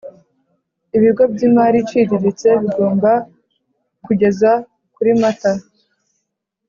Ibigo by imari iciriritse bigomba kugeza kuri mata